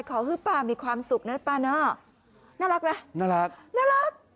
ฮือป้ามีความสุขนะป้าเนอะน่ารักไหมน่ารักน่ารัก